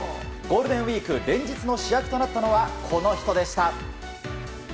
ゴールデンウィーク連日の主役となったのはこの人でした。